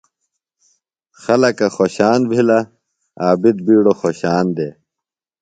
خلکہ خوشان بِھلہ۔ عابد بِیڈُوۡ خوشان دےۡ۔